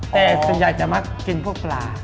แต่ส่วนใหญ่จะมักกินพวกปลา